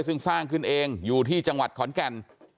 ซึ่งสร้างขึ้นเองอยู่ที่จังหวัดขอนแก่น